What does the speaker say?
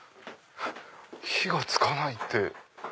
火が付かないって。